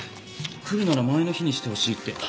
来るなら前の日にしてほしいって。